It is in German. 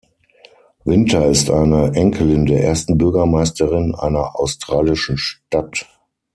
Wynter ist eine Enkelin der ersten Bürgermeisterin einer australischen Stadt.